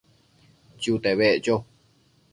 Tsiute beccho